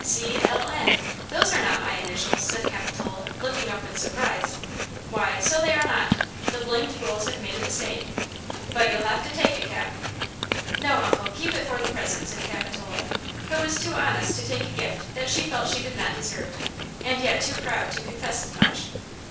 " 'C.L.N.'–those are not my initials," said Capitola, looking up with surprise. "Why, so they are not; the blamed fools have made a mistake. But you'll have to take it, Cap." "No, uncle; keep it for the present," said Capitola, who was too honest to take a gift that she felt she did not deserve, and yet too proud to confess as much.